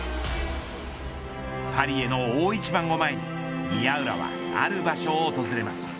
パリへの大一番を前に宮浦は、ある場所を訪れます。